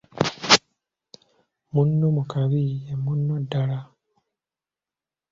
Munno mu kabi ye munno ddaala.